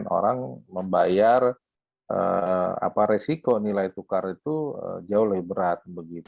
orang membayar resiko nilai tukar itu jauh lebih berat